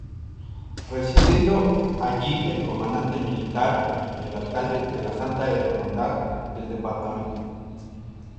Residiendo allí el comandante militar y el "alcalde de la Santa Hermandad" del departamento.